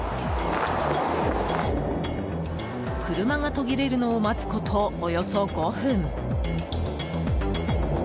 車が途切れるのを待つことおよそ５分。